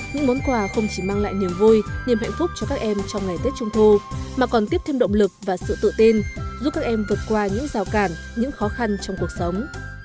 những món quà không chỉ mang lại niềm vui niềm hạnh phúc cho các em trong ngày tết trung thu mà còn tiếp thêm động lực và sự tự tin giúp các em vượt qua những rào cản những khó khăn trong cuộc sống